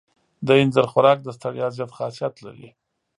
د اینځر خوراک د ستړیا ضد خاصیت لري.